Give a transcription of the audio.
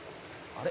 「あれ？」